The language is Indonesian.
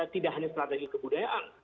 tidak hanya strategi kebudayaan